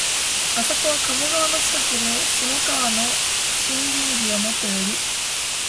あそこは鴨川の近くで、下鴨の森林美はもとより、